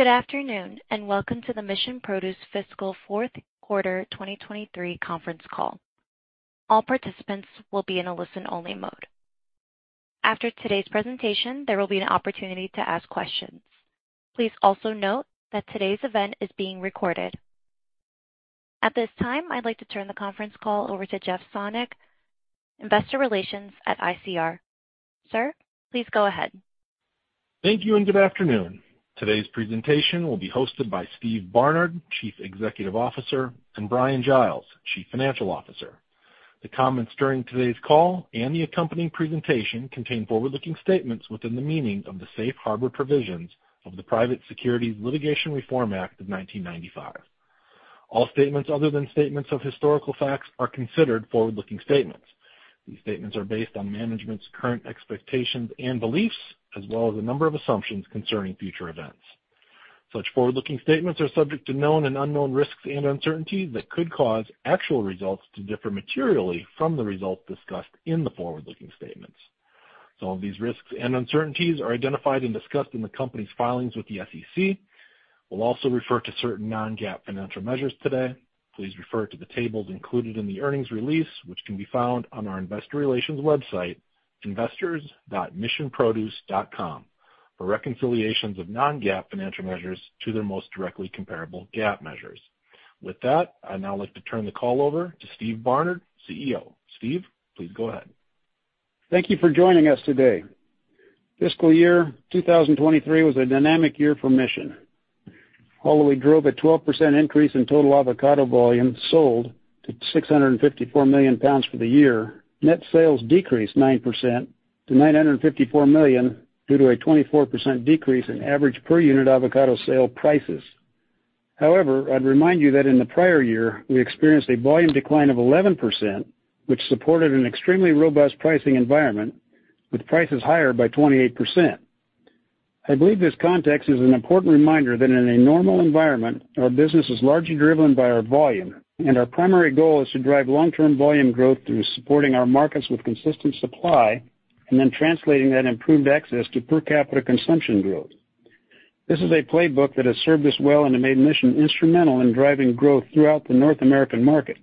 Good afternoon and welcome to the Mission Produce Fiscal Q4 2023 conference call. All participants will be in a listen-only mode. After today's presentation, there will be an opportunity to ask questions. Please also note that today's event is being recorded. At this time, I'd like to turn the conference call over to Jeff Sonnek, Investor Relations at ICR. Sir, please go ahead. Thank you and good afternoon. Today's presentation will be hosted by Steve Barnard, Chief Executive Officer, and Bryan Giles, Chief Financial Officer. The comments during today's call and the accompanying presentation contain forward-looking statements within the meaning of the Safe Harbor Provisions of the Private Securities Litigation Reform Act of 1995. All statements other than statements of historical facts are considered forward-looking statements. These statements are based on management's current expectations and beliefs, as well as a number of assumptions concerning future events. Such forward-looking statements are subject to known and unknown risks and uncertainties that could cause actual results to differ materially from the results discussed in the forward-looking statements. Some of these risks and uncertainties are identified and discussed in the company's filings with the SEC. We'll also refer to certain non-GAAP financial measures today. Please refer to the tables included in the earnings release, which can be found on our Investor Relations website, investors.missionproduce.com, for reconciliations of non-GAAP financial measures to the most directly comparable GAAP measures. With that, I now like to turn the call over to Steve Barnard, CEO. Steve, please go ahead. Thank you for joining us today. Fiscal year 2023 was a dynamic year for Mission Produce. We drove a 12% increase in total avocado volume sold to $654 million for the year. Net sales decreased 9% to $954 million due to a 24% decrease in average per unit avocado sale prices. However, I'd remind you that in the prior year, we experienced a volume decline of 11%, which supported an extremely robust pricing environment with prices higher by 28%. I believe this context is an important reminder that in a normal environment, our business is largely driven by our volume, and our primary goal is to drive long-term volume growth through supporting our markets with consistent supply and then translating that improved access to per capita consumption growth. This is a playbook that has served us well and made Mission Produce instrumental in driving growth throughout the North American market.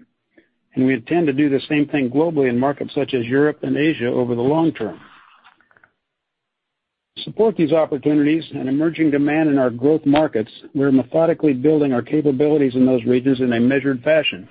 We intend to do the same thing globally in markets such as Europe and Asia over the long term. To support these opportunities and emerging demand in our growth markets, we're methodically building our capabilities in those regions in a measured fashion.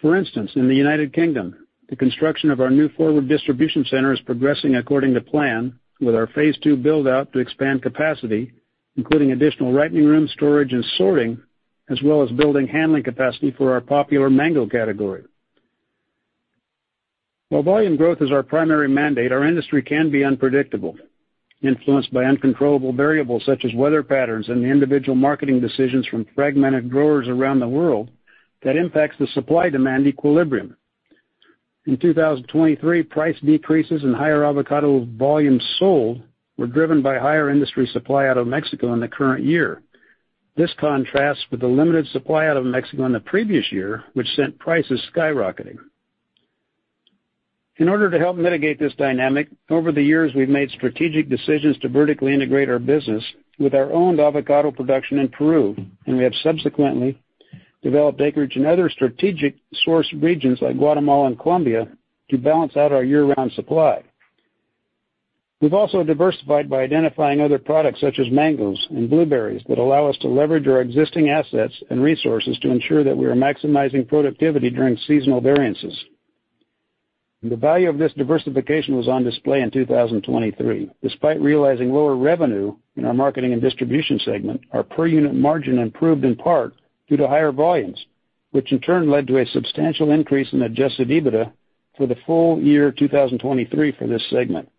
For instance, in the United Kingdom, the construction of our new forward distribution center is progressing according to plan with our phase two build-out to expand capacity, including additional ripening room, storage, and sorting, as well as building handling capacity for our popular mango category. While volume growth is our primary mandate, our industry can be unpredictable, influenced by uncontrollable variables such as weather patterns and the individual marketing decisions from fragmented growers around the world that impacts the supply-demand equilibrium. In 2023, price decreases in higher avocado volume sold were driven by higher industry supply out of Mexico in the current year. This contrasts with the limited supply out of Mexico in the previous year, which sent prices skyrocketing. In order to help mitigate this dynamic, over the years, we've made strategic decisions to vertically integrate our business with our owned avocado production in Peru, and we have subsequently developed acreage in other strategic source regions like Guatemala and Colombia to balance out our year-round supply. We've also diversified by identifying other products such as mangoes and blueberries that allow us to leverage our existing assets and resources to ensure that we are maximizing productivity during seasonal variances. The value of this diversification was on display in 2023. Despite realizing lower revenue in our marketing and distribution segment, our per unit margin improved in part due to higher volumes, which in turn led to a substantial increase in Adjusted EBITDA for the full year 2023 for this segment.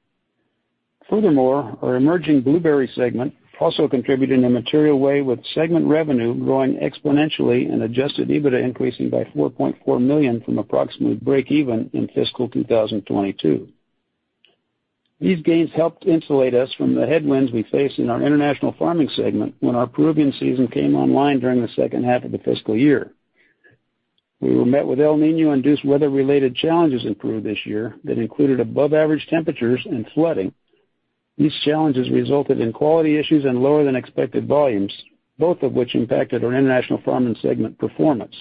Furthermore, our emerging blueberry segment also contributed in a material way with segment revenue growing exponentially and Adjusted EBITDA increasing by $4.4 million from approximately break-even in fiscal 2022. These gains helped insulate us from the headwinds we faced in our international farming segment when our Peruvian season came online during the second half of the fiscal year. We were met with El Niño-induced weather-related challenges improved this year that included above-average temperatures and flooding. These challenges resulted in quality issues and lower-than-expected volumes, both of which impacted our international farming segment performance.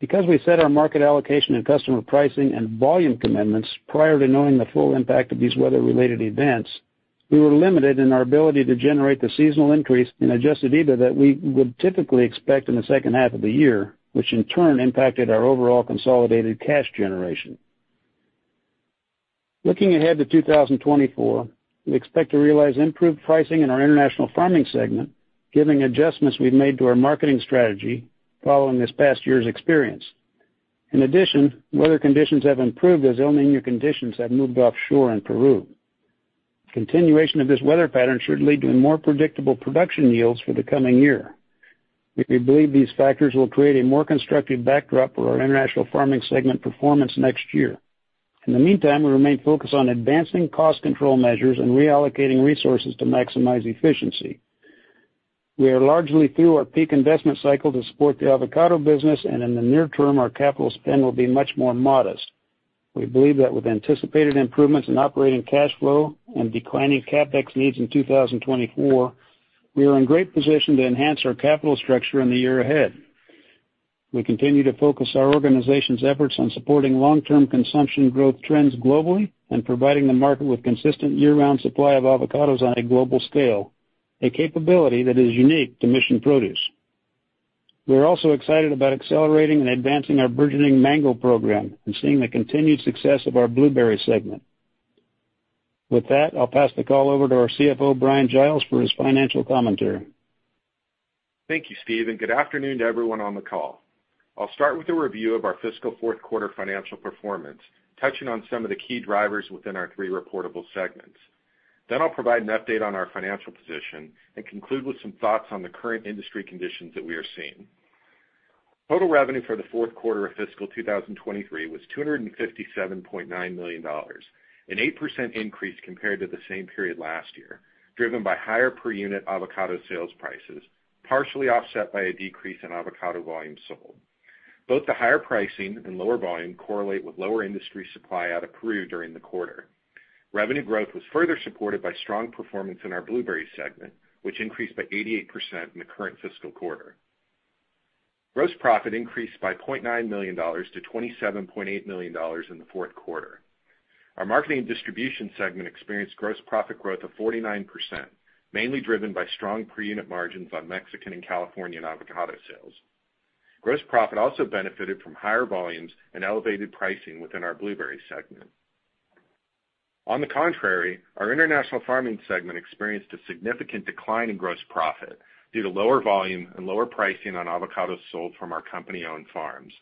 Because we set our market allocation and customer pricing and volume commitments prior to knowing the full impact of these weather-related events, we were limited in our ability to generate the seasonal increase in Adjusted EBITDA that we would typically expect in the second half of the year, which in turn impacted our overall consolidated cash generation. Looking ahead to 2024, we expect to realize improved pricing in our international farming segment, given adjustments we've made to our marketing strategy following this past year's experience. In addition, weather conditions have improved as El Niño conditions have moved offshore in Peru. Continuation of this weather pattern should lead to more predictable production yields for the coming year. We believe these factors will create a more constructive backdrop for our international farming segment performance next year. In the meantime, we remain focused on advancing cost control measures and reallocating resources to maximize efficiency. We are largely through our peak investment cycle to support the avocado business, and in the near term, our capital spend will be much more modest. We believe that with anticipated improvements in operating cash flow and declining CapEx needs in 2024, we are in great position to enhance our capital structure in the year ahead. We continue to focus our organization's efforts on supporting long-term consumption growth trends globally and providing the market with consistent year-round supply of avocados on a global scale, a capability that is unique to Mission Produce. We're also excited about accelerating and advancing our bridging mango program and seeing the continued success of our blueberry segment. With that, I'll pass the call over to our CFO, Bryan Giles, for his financial commentary. Thank you, Steve, and good afternoon to everyone on the call. I'll start with a review of our fiscal Q4 financial performance, touching on some of the key drivers within our three reportable segments. Then I'll provide an update on our financial position and conclude with some thoughts on the current industry conditions that we are seeing. Total revenue for the Q4 of fiscal 2023 was $257.9 million, an 8% increase compared to the same period last year, driven by higher per unit avocado sales prices, partially offset by a decrease in avocado volume sold. Both the higher pricing and lower volume correlate with lower industry supply out of Peru during the quarter. Revenue growth was further supported by strong performance in our blueberry segment, which increased by 88% in the current fiscal quarter. Gross profit increased by $0.9 million to $27.8 million in the Q4. Our marketing and distribution segment experienced gross profit growth of 49%, mainly driven by strong per unit margins on Mexican and California avocado sales. Gross profit also benefited from higher volumes and elevated pricing within our blueberry segment. On the contrary, our international farming segment experienced a significant decline in gross profit due to lower volume and lower pricing on avocados sold from our company-owned farms.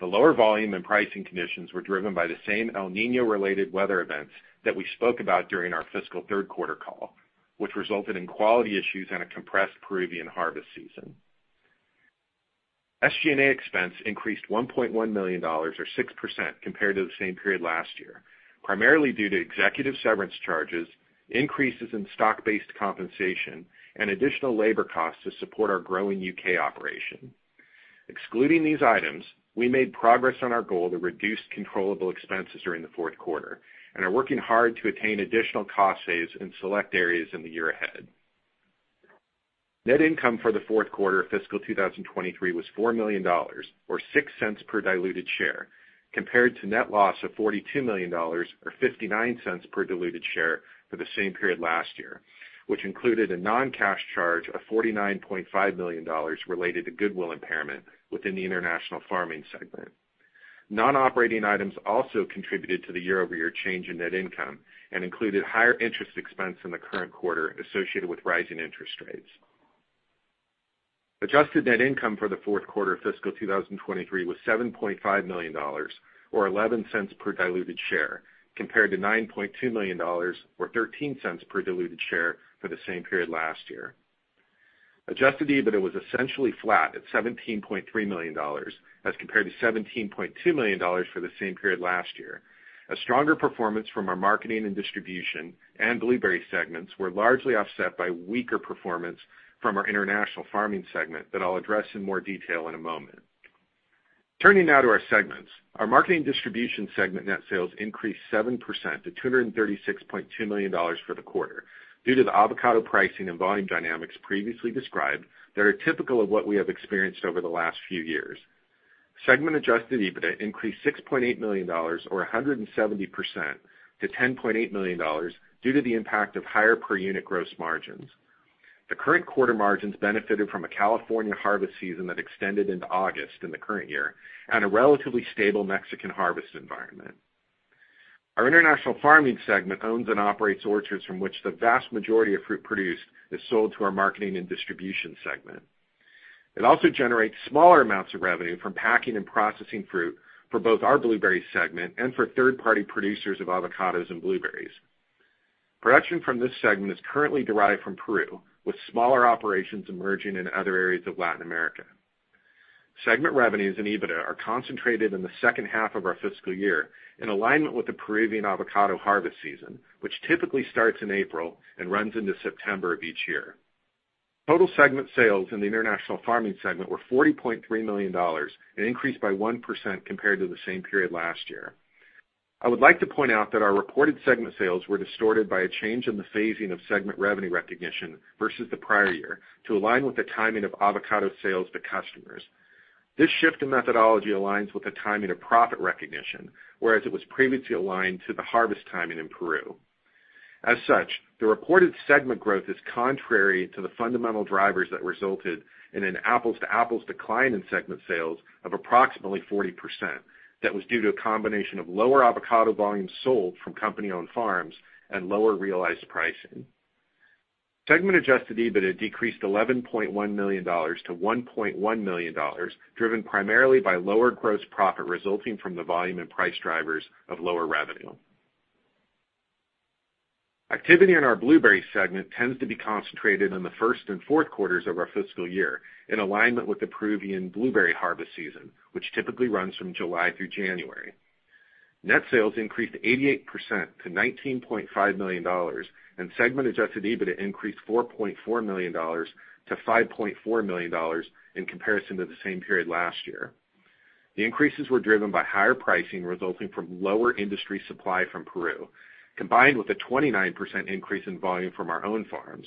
The lower volume and pricing conditions were driven by the same El Niño-related weather events that we spoke about during our fiscal Q3 call, which resulted in quality issues and a compressed Peruvian harvest season. SG&A expense increased $1.1 million or 6% compared to the same period last year, primarily due to executive severance charges, increases in stock-based compensation, and additional labor costs to support our growing UK operation. Excluding these items, we made progress on our goal to reduce controllable expenses during the Q4 and are working hard to attain additional cost saves in select areas in the year ahead. Net income for the Q4 of fiscal 2023 was $4 million or $0.06 per diluted share, compared to net loss of $42 million or $0.59 per diluted share for the same period last year, which included a non-cash charge of $49.5 million related to goodwill impairment within the international farming segment. Non-operating items also contributed to the year-over-year change in net income and included higher interest expense in the current quarter associated with rising interest rates. Adjusted net income for the Q4 of fiscal 2023 was $7.5 million or $0.11 per diluted share, compared to $9.2 million or $0.13 per diluted share for the same period last year. Adjusted EBITDA was essentially flat at $17.3 million as compared to $17.2 million for the same period last year. A stronger performance from our marketing and distribution and blueberry segments were largely offset by weaker performance from our international farming segment that I'll address in more detail in a moment. Turning now to our segments, our marketing and distribution segment net sales increased 7% to $236.2 million for the quarter. Due to the avocado pricing and volume dynamics previously described, that are typical of what we have experienced over the last few years. Segment adjusted EBITDA increased $6.8 million or 170% to $10.8 million due to the impact of higher per unit gross margins. The current quarter margins benefited from a California harvest season that extended into August in the current year and a relatively stable Mexican harvest environment. Our international farming segment owns and operates orchards from which the vast majority of fruit produced is sold to our marketing and distribution segment. It also generates smaller amounts of revenue from packing and processing fruit for both our blueberry segment and for third-party producers of avocados and blueberries. Production from this segment is currently derived from Peru, with smaller operations emerging in other areas of Latin America. Segment revenues and EBITDA are concentrated in the second half of our fiscal year in alignment with the Peruvian avocado harvest season, which typically starts in April and runs into September of each year. Total segment sales in the international farming segment were $40.3 million and increased by 1% compared to the same period last year. I would like to point out that our reported segment sales were distorted by a change in the phasing of segment revenue recognition versus the prior year to align with the timing of avocado sales to customers. This shift in methodology aligns with the timing of profit recognition, whereas it was previously aligned to the harvest timing in Peru. As such, the reported segment growth is contrary to the fundamental drivers that resulted in an apples-to-apples decline in segment sales of approximately 40% that was due to a combination of lower avocado volume sold from company-owned farms and lower realized pricing. Segment Adjusted EBITDA decreased $11.1 million to $1.1 million, driven primarily by lower gross profit resulting from the volume and price drivers of lower revenue. Activity in our blueberry segment tends to be concentrated in the Q1 and Q4 of our fiscal year in alignment with the Peruvian blueberry harvest season, which typically runs from July through January. Net sales increased 88% to $19.5 million, and segment Adjusted EBITDA increased $4.4 million to $5.4 million in comparison to the same period last year. The increases were driven by higher pricing resulting from lower industry supply from Peru, combined with a 29% increase in volume from our own farms.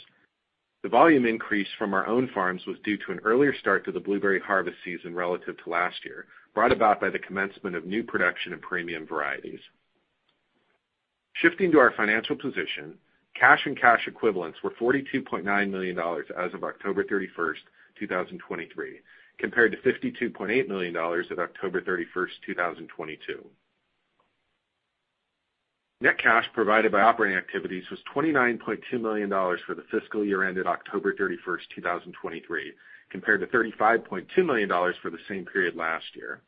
The volume increase from our own farms was due to an earlier start to the blueberry harvest season relative to last year, brought about by the commencement of new production and premium varieties. Shifting to our financial position, cash and cash equivalents were $42.9 million as of October 31st, 2023, compared to $52.8 million at October 31st, 2022. Net cash provided by operating activities was $29.2 million for the fiscal year ended October 31st, 2023, compared to $35.2 million for the same period last year.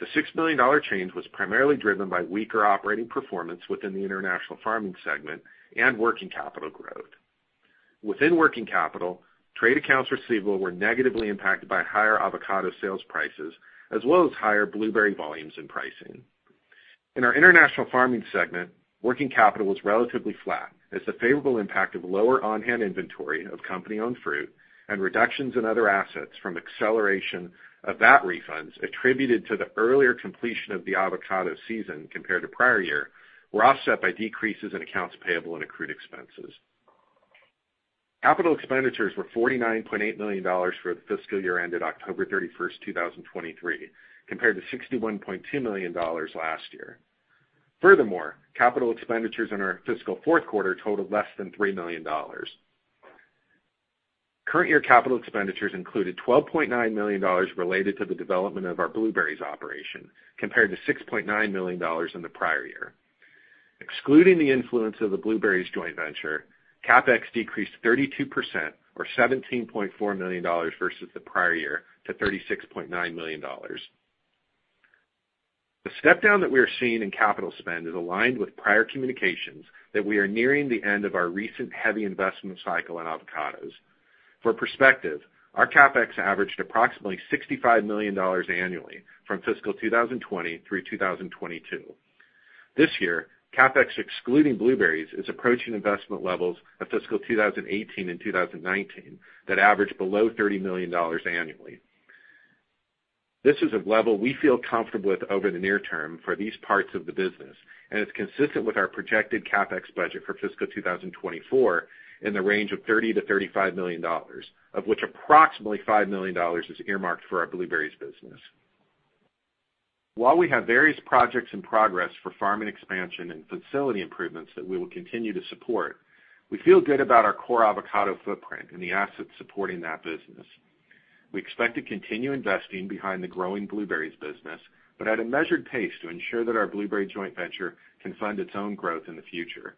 The $6 million change was primarily driven by weaker operating performance within the international farming segment and working capital growth. Within working capital, trade accounts receivable were negatively impacted by higher avocado sales prices as well as higher blueberry volumes and pricing. In our international farming segment, working capital was relatively flat as the favorable impact of lower on-hand inventory of company-owned fruit and reductions in other assets from acceleration of VAT refunds attributed to the earlier completion of the avocado season compared to prior year were offset by decreases in accounts payable and accrued expenses. Capital expenditures were $49.8 million for the fiscal year ended October 31st, 2023, compared to $61.2 million last year. Furthermore, capital expenditures in our fiscal Q4 totaled less than $3 million. Current year capital expenditures included $12.9 million related to the development of our blueberries operation compared to $6.9 million in the prior year. Excluding the influence of the blueberries joint venture, CapEx decreased 32% or $17.4 million versus the prior year to $36.9 million. The stepdown that we are seeing in capital spend is aligned with prior communications that we are nearing the end of our recent heavy investment cycle in avocados. For perspective, our CapEx averaged approximately $65 million annually from fiscal 2020 through 2022. This year, CapEx excluding blueberries is approaching investment levels of fiscal 2018 and 2019 that averaged below $30 million annually. This is a level we feel comfortable with over the near term for these parts of the business, and it's consistent with our projected CapEx budget for fiscal 2024 in the range of $30-$35 million, of which approximately $5 million is earmarked for our blueberries business. While we have various projects in progress for farming expansion and facility improvements that we will continue to support, we feel good about our core avocado footprint and the assets supporting that business. We expect to continue investing behind the growing blueberries business, but at a measured pace to ensure that our blueberry joint venture can fund its own growth in the future.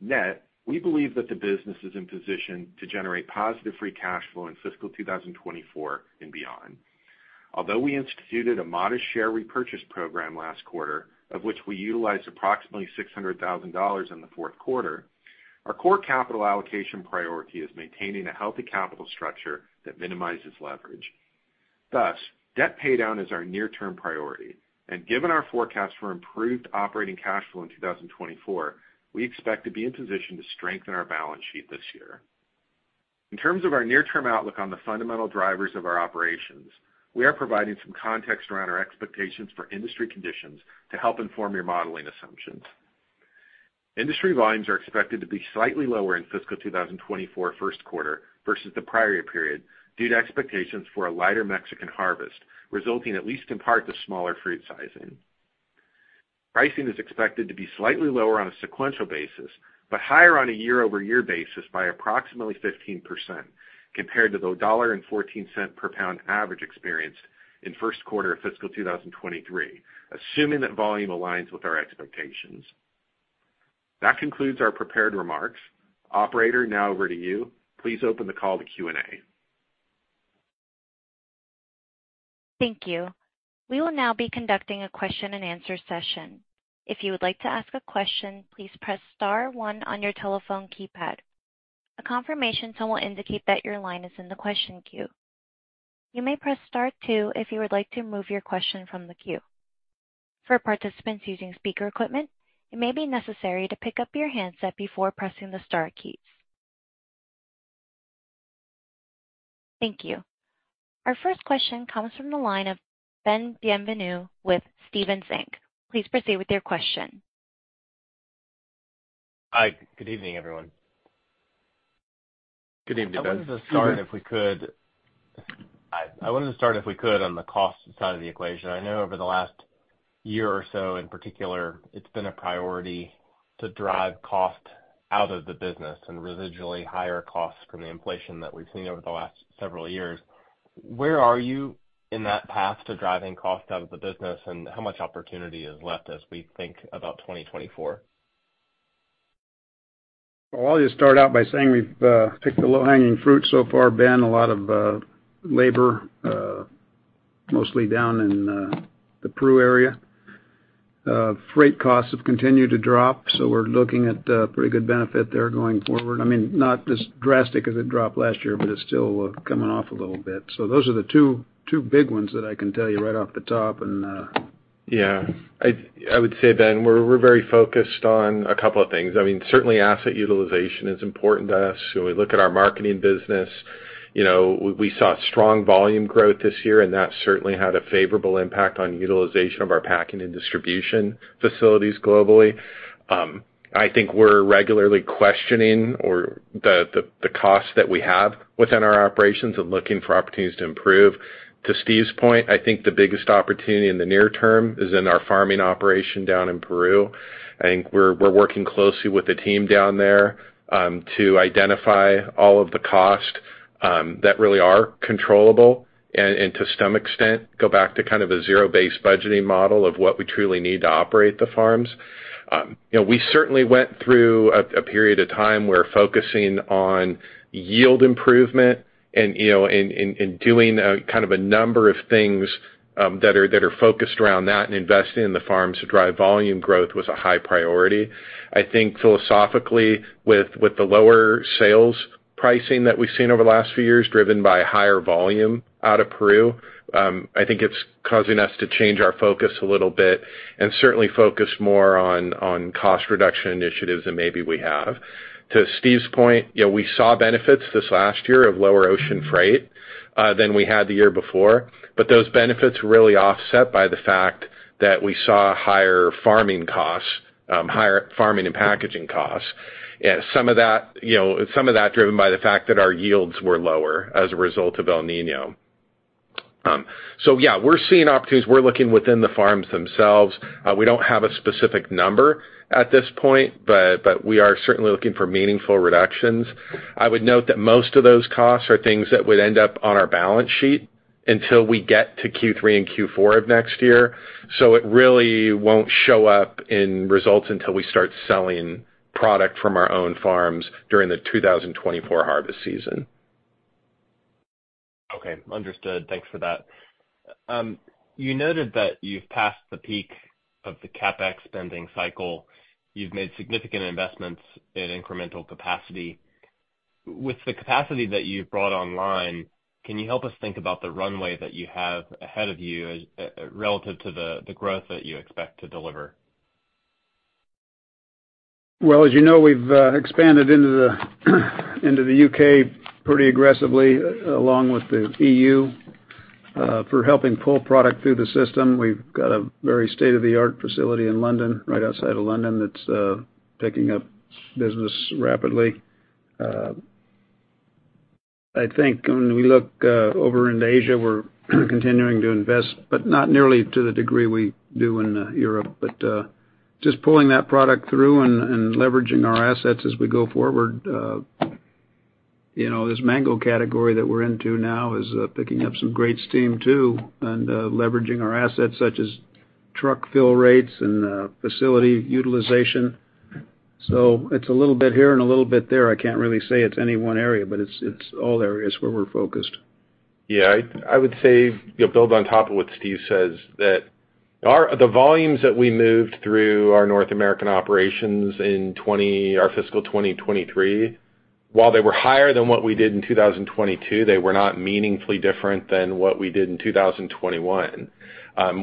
Net, we believe that the business is in position to generate positive free cash flow in fiscal 2024 and beyond. Although we instituted a modest share repurchase program last quarter, of which we utilized approximately $600,000 in the Q4, our core capital allocation priority is maintaining a healthy capital structure that minimizes leverage. Thus, debt paydown is our near-term priority, and given our forecast for improved operating cash flow in 2024, we expect to be in position to strengthen our balance sheet this year. In terms of our near-term outlook on the fundamental drivers of our operations, we are providing some context around our expectations for industry conditions to help inform your modeling assumptions. Industry volumes are expected to be slightly lower in fiscal 2024 Q1 versus the prior year period due to expectations for a lighter Mexican harvest, resulting at least in part to smaller fruit sizing. Pricing is expected to be slightly lower on a sequential basis but higher on a year-over-year basis by approximately 15% compared to the $1.14 per pound average experienced in Q1 of fiscal 2023, assuming that volume aligns with our expectations. That concludes our prepared remarks. Operator, now over to you. Please open the call to Q&A. Thank you. We will now be conducting a question-and-answer session. If you would like to ask a question, please press *1 on your telephone keypad. A confirmation tone will indicate that your line is in the question queue. You may press *2 if you would like to move your question from the queue. For participants using speaker equipment, it may be necessary to pick up your handset before pressing the * keys. Thank you. Our first question comes from the line of Ben Bienvenue with Stephens Inc. Please proceed with your question. Hi. Good evening, everyone. Good evening, Ben. I wanted to start if we could on the cost side of the equation. I know over the last year or so, in particular, it's been a priority to drive cost out of the business and residual high costs from the inflation that we've seen over the last several years. Where are you in that path to driving cost out of the business, and how much opportunity is left as we think about 2024? Well, I'll just start out by saying we've picked the low-hanging fruit so far, Ben, a lot of labor, mostly down in the Peru area. Freight costs have continued to drop, so we're looking at pretty good benefit there going forward. I mean, not as drastic as it dropped last year, but it's still coming off a little bit. So those are the two big ones that I can tell you right off the top. Yeah. I would say, Ben, we're very focused on a couple of things. I mean, certainly asset utilization is important to us. When we look at our marketing business, we saw strong volume growth this year, and that certainly had a favorable impact on utilization of our packing and distribution facilities globally. I think we're regularly questioning the costs that we have within our operations and looking for opportunities to improve. To Steve's point, I think the biggest opportunity in the near term is in our farming operation down in Peru. I think we're working closely with the team down there to identify all of the costs that really are controllable and to some extent go back to kind of a zero-based budgeting model of what we truly need to operate the farms. We certainly went through a period of time where focusing on yield improvement and doing kind of a number of things that are focused around that and investing in the farms to drive volume growth was a high priority. I think philosophically, with the lower sales pricing that we've seen over the last few years driven by higher volume out of Peru, I think it's causing us to change our focus a little bit and certainly focus more on cost reduction initiatives than maybe we have. To Steve's point, we saw benefits this last year of lower ocean freight than we had the year before, but those benefits were really offset by the fact that we saw higher farming and packaging costs. Some of that driven by the fact that our yields were lower as a result of El Niño. So yeah, we're seeing opportunities. We're looking within the farms themselves. We don't have a specific number at this point, but we are certainly looking for meaningful reductions. I would note that most of those costs are things that would end up on our balance sheet until we get to Q3 and Q4 of next year. So it really won't show up in results until we start selling product from our own farms during the 2024 harvest season. Okay. Understood. Thanks for that. You noted that you've passed the peak of the CapEx spending cycle. You've made significant investments in incremental capacity. With the capacity that you've brought online, can you help us think about the runway that you have ahead of you relative to the growth that you expect to deliver? Well, as you know, we've expanded into the U.K. pretty aggressively along with the E.U. for helping pull product through the system. We've got a very state-of-the-art facility right outside of London that's picking up business rapidly. I think when we look over in Asia, we're continuing to invest, but not nearly to the degree we do in Europe. But just pulling that product through and leveraging our assets as we go forward, this mango category that we're into now is picking up some great steam too and leveraging our assets such as truck fill rates and facility utilization. So it's a little bit here and a little bit there. I can't really say it's any one area, but it's all areas where we're focused. Yeah. I would say build on top of what Steve says, that the volumes that we moved through our North American operations in fiscal 2023, while they were higher than what we did in 2022, they were not meaningfully different than what we did in 2021.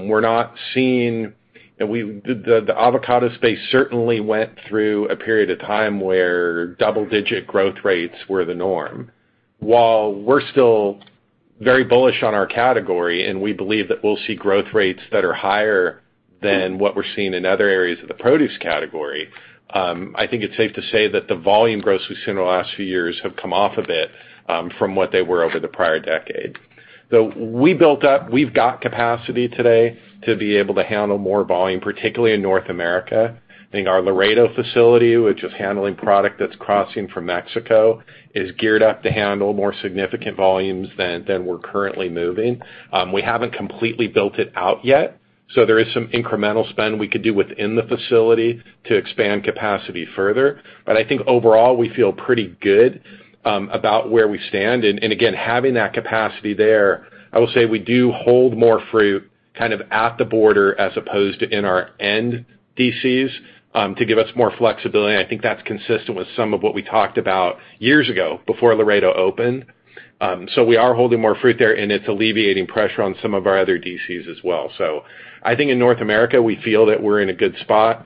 We're not seeing. The avocado space certainly went through a period of time where double-digit growth rates were the norm. While we're still very bullish on our category and we believe that we'll see growth rates that are higher than what we're seeing in other areas of the produce category, I think it's safe to say that the volume growth we've seen in the last few years have come off a bit from what they were over the prior decade. So we've got capacity today to be able to handle more volume, particularly in North America. I think our Laredo facility, which is handling product that's crossing from Mexico, is geared up to handle more significant volumes than we're currently moving. We haven't completely built it out yet, so there is some incremental spend we could do within the facility to expand capacity further. But I think overall, we feel pretty good about where we stand. And again, having that capacity there, I will say we do hold more fruit kind of at the border as opposed to in our end DCs to give us more flexibility. And I think that's consistent with some of what we talked about years ago before Laredo opened. So we are holding more fruit there, and it's alleviating pressure on some of our other DCs as well. So I think in North America, we feel that we're in a good spot.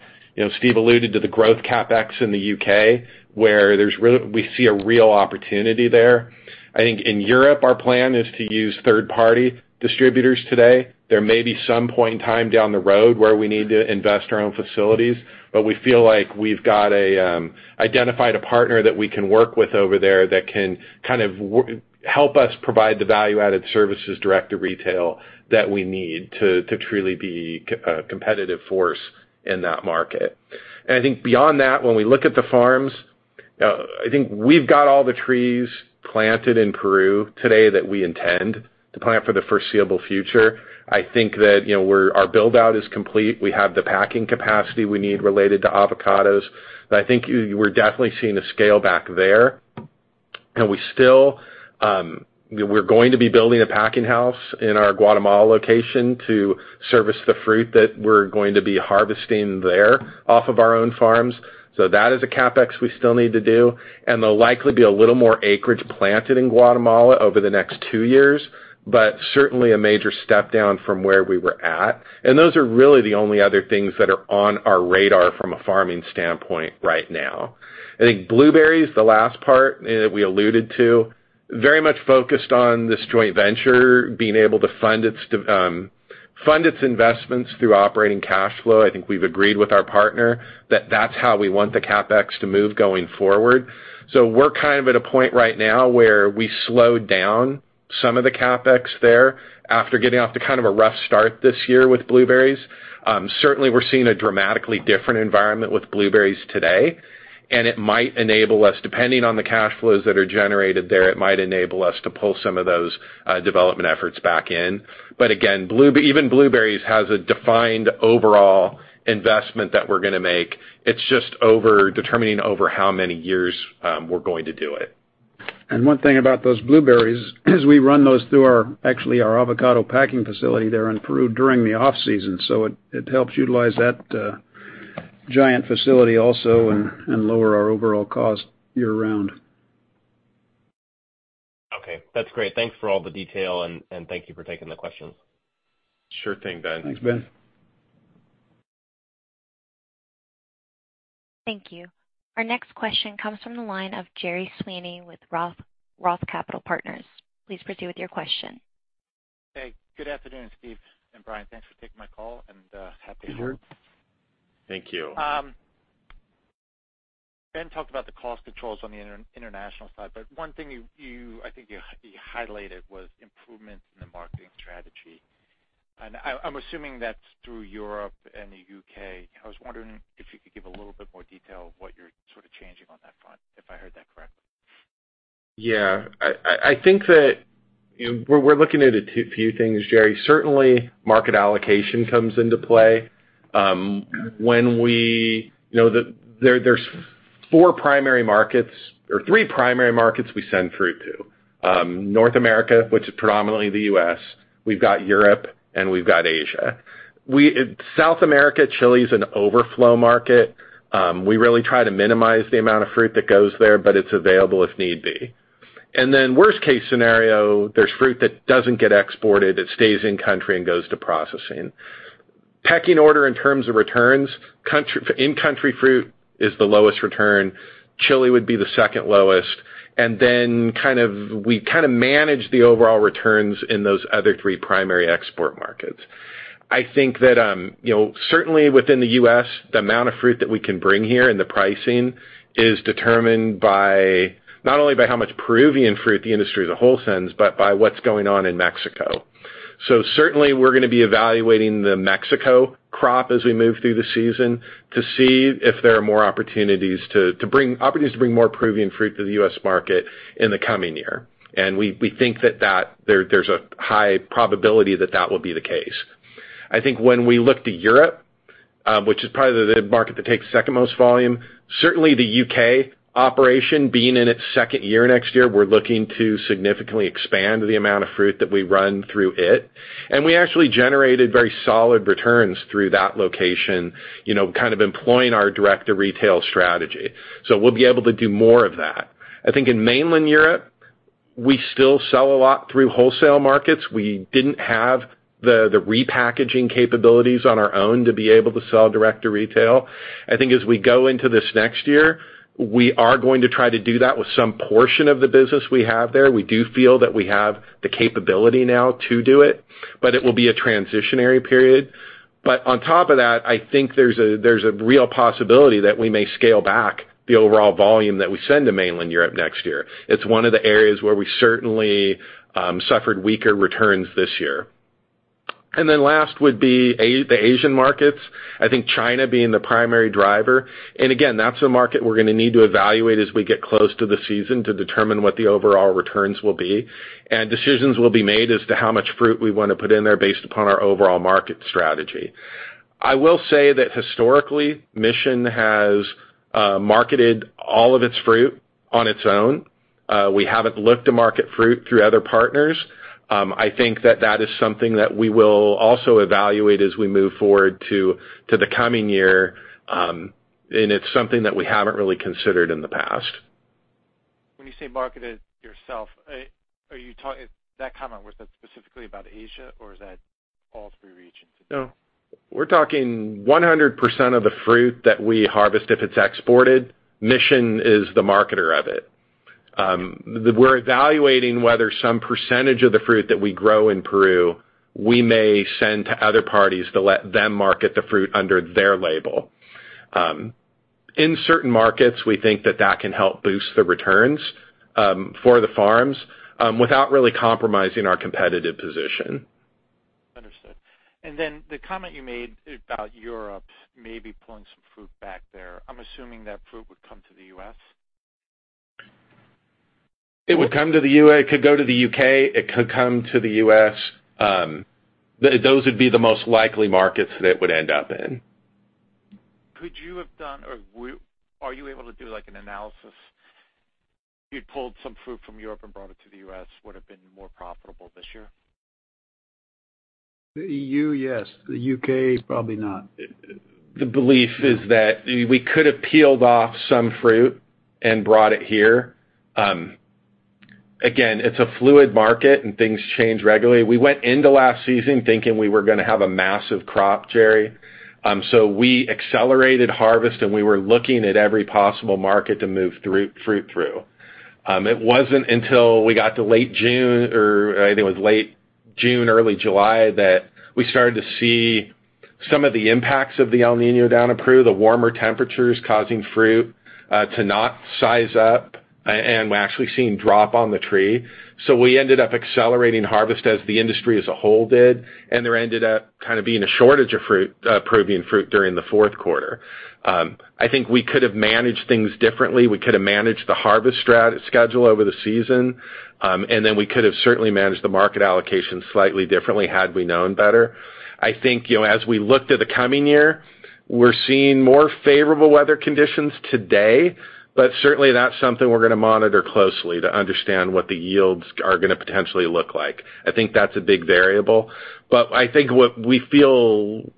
Steve alluded to the growth CapEx in the UK, where we see a real opportunity there. I think in Europe, our plan is to use third-party distributors today. There may be some point in time down the road where we need to invest our own facilities, but we feel like we've identified a partner that we can work with over there that can kind of help us provide the value-added services direct to retail that we need to truly be a competitive force in that market. And I think beyond that, when we look at the farms, I think we've got all the trees planted in Peru today that we intend to plant for the foreseeable future. I think that our buildout is complete. We have the packing capacity we need related to avocados. But I think we're definitely seeing a scale back there. And we're going to be building a packing house in our Guatemala location to service the fruit that we're going to be harvesting there off of our own farms. So that is a CapEx we still need to do. And there'll likely be a little more acreage planted in Guatemala over the next two years, but certainly a major step down from where we were at. And those are really the only other things that are on our radar from a farming standpoint right now. I think blueberries, the last part that we alluded to, very much focused on this joint venture being able to fund its investments through operating cash flow. I think we've agreed with our partner that that's how we want the CapEx to move going forward. So we're kind of at a point right now where we slowed down some of the CapEx there after getting off to kind of a rough start this year with blueberries. Certainly, we're seeing a dramatically different environment with blueberries today. It might enable us, depending on the cash flows that are generated there, it might enable us to pull some of those development efforts back in. Again, even blueberries has a defined overall investment that we're going to make. It's just determining over how many years we're going to do it. One thing about those blueberries is we run those through actually our avocado packing facility there in Peru during the off-season. It helps utilize that giant facility also and lower our overall cost year-round. Okay. That's great. Thanks for all the detail, and thank you for taking the questions. Sure thing, Ben. Thanks, Ben. Thank you. Our next question comes from the line of Gerry Sweeney with Roth Capital Partners. Please proceed with your question. Hey. Good afternoon, Steve and Bryan. Thanks for taking my call, and happy to help. Thank you. Ben talked about the cost controls on the international side, but one thing I think you highlighted was improvements in the marketing strategy. I'm assuming that's through Europe and the U.K. I was wondering if you could give a little bit more detail of what you're sort of changing on that front, if I heard that correctly. Yeah. I think that we're looking at a few things, Gerry. Certainly, market allocation comes into play. There's four primary markets or three primary markets we send fruit to: North America, which is predominantly the U.S.; we've got Europe; and we've got Asia. South America, Chile, is an overflow market. We really try to minimize the amount of fruit that goes there, but it's available if need be. And then worst-case scenario, there's fruit that doesn't get exported. It stays in-country and goes to processing. Pecking order in terms of returns, in-country fruit is the lowest return. Chile would be the second lowest. And then we kind of manage the overall returns in those other three primary export markets. I think that certainly within the U.S., the amount of fruit that we can bring here and the pricing is determined not only by how much Peruvian fruit the industry as a whole sends, but by what's going on in Mexico. So certainly, we're going to be evaluating the Mexico crop as we move through the season to see if there are more opportunities to bring more Peruvian fruit to the U.S. market in the coming year. And we think that there's a high probability that that will be the case. I think when we look to Europe, which is probably the market that takes second-most volume, certainly the U.K. operation being in its second year next year, we're looking to significantly expand the amount of fruit that we run through it. And we actually generated very solid returns through that location, kind of employing our direct-to-retail strategy. So we'll be able to do more of that. I think in mainland Europe, we still sell a lot through wholesale markets. We didn't have the repackaging capabilities on our own to be able to sell direct-to-retail. I think as we go into this next year, we are going to try to do that with some portion of the business we have there. We do feel that we have the capability now to do it, but it will be a transitional period. But on top of that, I think there's a real possibility that we may scale back the overall volume that we send to mainland Europe next year. It's one of the areas where we certainly suffered weaker returns this year. And then last would be the Asian markets, I think China being the primary driver. Again, that's a market we're going to need to evaluate as we get close to the season to determine what the overall returns will be. Decisions will be made as to how much fruit we want to put in there based upon our overall market strategy. I will say that historically, Mission has marketed all of its fruit on its own. We haven't looked to market fruit through other partners. I think that that is something that we will also evaluate as we move forward to the coming year. It's something that we haven't really considered in the past. When you say marketed yourself, are you talking that comment was specifically about Asia, or is that all three regions? No. We're talking 100% of the fruit that we harvest if it's exported. Mission is the marketer of it. We're evaluating whether some percentage of the fruit that we grow in Peru, we may send to other parties to let them market the fruit under their label. In certain markets, we think that that can help boost the returns for the farms without really compromising our competitive position. Understood. And then the comment you made about Europe maybe pulling some fruit back there, I'm assuming that fruit would come to the U.S.? It would come to the U.S. It could go to the U.K. It could come to the U.S. Those would be the most likely markets that it would end up in. Could you have done or are you able to do an analysis? If you'd pulled some fruit from Europe and brought it to the U.S., would it have been more profitable this year? The EU, yes. The UK, probably not. The belief is that we could have peeled off some fruit and brought it here. Again, it's a fluid market, and things change regularly. We went into last season thinking we were going to have a massive crop, Gerry. So we accelerated harvest, and we were looking at every possible market to move fruit through. It wasn't until we got to late June, or I think it was late June, early July, that we started to see some of the impacts of the El Niño down in Peru, the warmer temperatures causing fruit to not size up. And we're actually seeing drop on the tree. So we ended up accelerating harvest as the industry as a whole did, and there ended up kind of being a shortage of Peruvian fruit during the Q4. I think we could have managed things differently. We could have managed the harvest schedule over the season. And then we could have certainly managed the market allocation slightly differently had we known better. I think as we look to the coming year, we're seeing more favorable weather conditions today. But certainly, that's something we're going to monitor closely to understand what the yields are going to potentially look like. I think that's a big variable. But I think we feel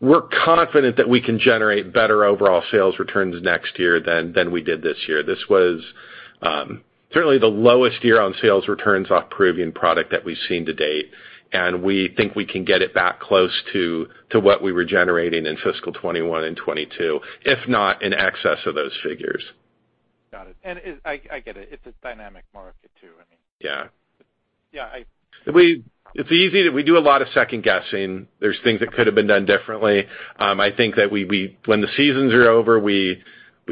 we're confident that we can generate better overall sales returns next year than we did this year. This was certainly the lowest year on sales returns off Peruvian product that we've seen to date. And we think we can get it back close to what we were generating in fiscal 2021 and 2022, if not in excess of those figures. Got it. And I get it. It's a dynamic market, too. I mean. Yeah. Yeah. I. It's easy, too. We do a lot of second-guessing. There's things that could have been done differently. I think that when the seasons are over, we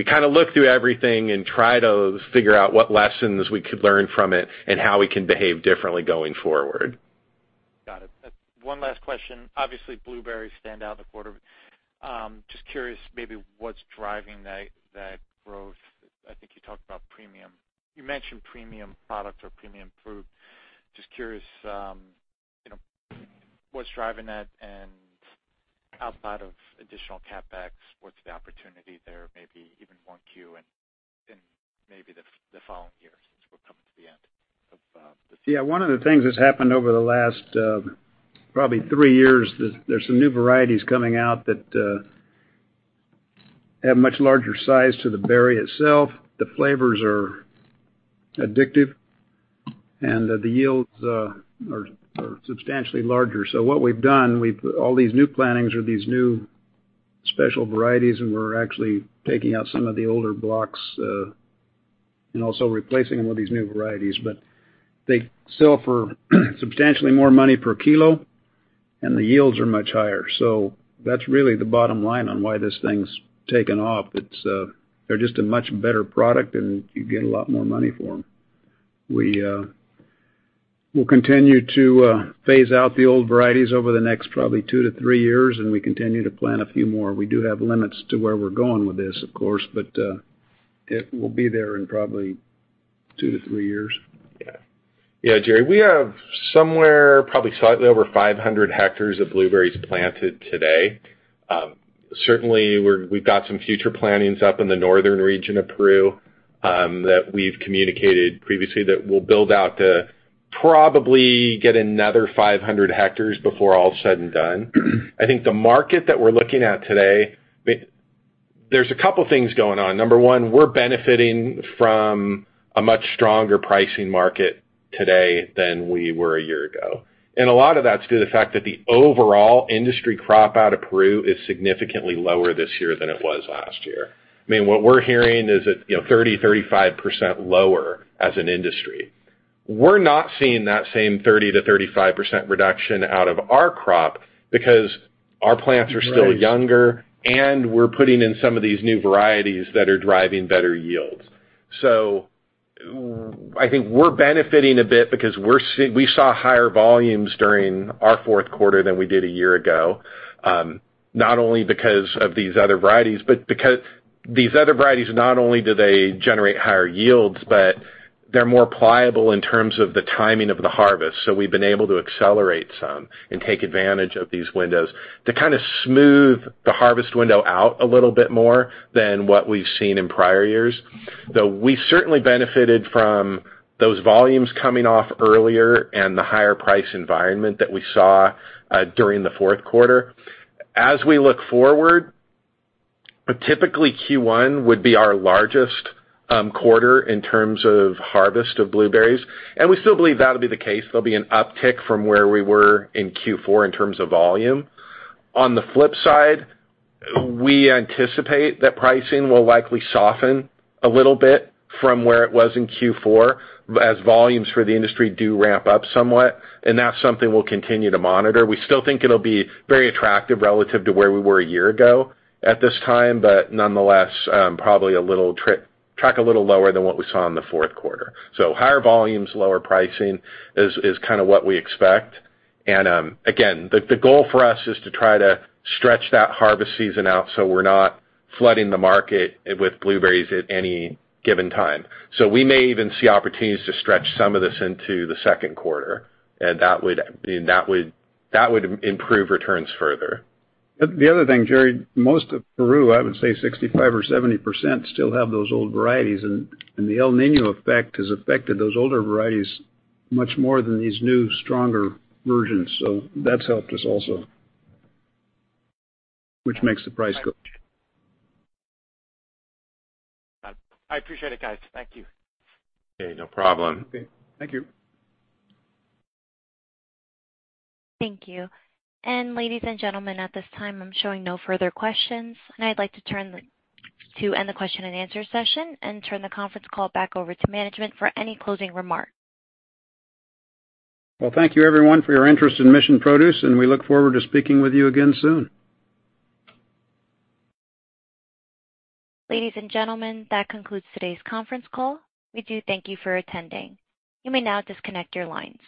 kind of look through everything and try to figure out what lessons we could learn from it and how we can behave differently going forward. Got it. One last question. Obviously, blueberries stand out the quarter. Just curious, maybe what's driving that growth? I think you talked about premium. You mentioned premium products or premium fruit. Just curious, what's driving that? And outside of additional CapEx, what's the opportunity there, maybe even 1Q in maybe the following years as we're coming to the end? Yeah. One of the things that's happened over the last probably three years, there's some new varieties coming out that have much larger size to the berry itself. The flavors are addictive, and the yields are substantially larger. So what we've done, all these new plantings are these new special varieties, and we're actually taking out some of the older blocks and also replacing them with these new varieties. But they sell for substantially more money per kilo, and the yields are much higher. So that's really the bottom line on why this thing's taken off. They're just a much better product, and you get a lot more money for them. We'll continue to phase out the old varieties over the next probably two to three years, and we continue to plant a few more. We do have limits to where we're going with this, of course, but it will be there in probably two to three years. Yeah. Yeah, Gerry. We have somewhere probably slightly over 500 hectares of blueberries planted today. Certainly, we've got some future plantings up in the northern region of Peru that we've communicated previously that we'll build out to probably get another 500 hectares before all's said and done. I think the market that we're looking at today, there's a couple of things going on. Number one, we're benefiting from a much stronger pricing market today than we were a year ago. And a lot of that's due to the fact that the overall industry crop out of Peru is significantly lower this year than it was last year. I mean, what we're hearing is 30%-35% lower as an industry. We're not seeing that same 30%-35% reduction out of our crop because our plants are still younger, and we're putting in some of these new varieties that are driving better yields. So I think we're benefiting a bit because we saw higher volumes during our Q4 than we did a year ago, not only because of these other varieties, but because these other varieties, not only do they generate higher yields, but they're more pliable in terms of the timing of the harvest. So we've been able to accelerate some and take advantage of these windows to kind of smooth the harvest window out a little bit more than what we've seen in prior years. Though we certainly benefited from those volumes coming off earlier and the higher price environment that we saw during the Q4. As we look forward, typically, Q1 would be our largest quarter in terms of harvest of blueberries. We still believe that'll be the case. There'll be an uptick from where we were in Q4 in terms of volume. On the flip side, we anticipate that pricing will likely soften a little bit from where it was in Q4 as volumes for the industry do ramp up somewhat. That's something we'll continue to monitor. We still think it'll be very attractive relative to where we were a year ago at this time, but nonetheless, probably track a little lower than what we saw in the Q4. Higher volumes, lower pricing is kind of what we expect. Again, the goal for us is to try to stretch that harvest season out so we're not flooding the market with blueberries at any given time. We may even see opportunities to stretch some of this into the Q2. That would improve returns further. The other thing, Gerry, most of Peru, I would say 65% or 70%, still have those old varieties. The El Niño effect has affected those older varieties much more than these new, stronger versions. That's helped us also, which makes the price go up. I appreciate it, guys. Thank you. Okay. No problem. Thank you. Thank you. Ladies and gentlemen, at this time, I'm showing no further questions. I'd like to end the question and answer session and turn the conference call back over to management for any closing remarks. Well, thank you, everyone, for your interest in Mission Produce, and we look forward to speaking with you again soon. Ladies and gentlemen, that concludes today's conference call. We do thank you for attending. You may now disconnect your lines.